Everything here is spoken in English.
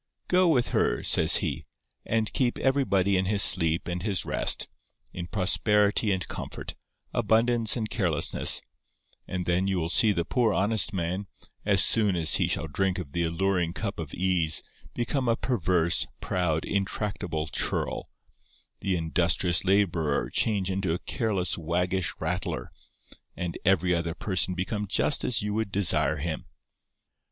'Go with her,' says he, 'and keep everybody in his sleep and his rest, in prosperity and comfort, abundance and carelessness, and then you will see the poor honest man, as soon as he shall drink of the alluring cup of Ease, become a perverse, proud, untractable churl; the industrious labourer change into a careless waggish rattler; and every other person become just as you would desire him